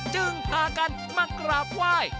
จึงพากันมากราบไหว้